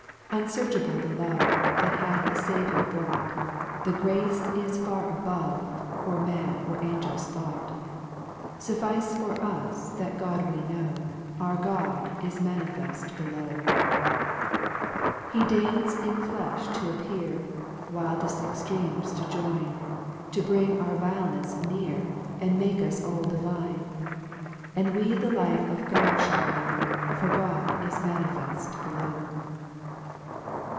4 Unfearchable the Love. That hath the Saviour brought, The grace is far above. Or man, or angel's thought : Suffice fur us, that God we know, Our God is manifeft below. 5 He deigns in fkfh t' appear, Wideft extremes to join, To bring our ulent fs near, A r d make us all divine ; And we the life of God (hall know ? For God is manifeft below.